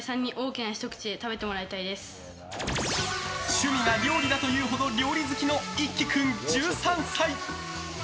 趣味が料理だというほど料理好きの一輝君、１３歳。